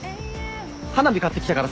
花火買ってきたからさ。